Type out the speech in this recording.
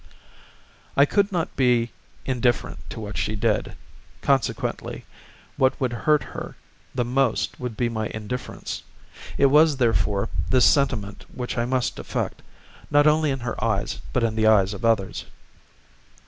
I could not be indifferent to what she did, consequently what would hurt her the most would be my indifference; it was, therefore, this sentiment which I must affect, not only in her eyes, but in the eyes of others.